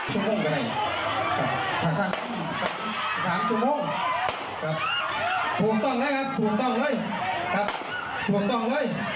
โหถูกต้องแล้ว